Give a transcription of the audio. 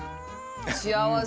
幸せ。